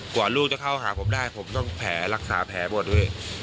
กว่าลูกจะเข้าหาผมได้ผมต้องแผลรักษาแผลหมด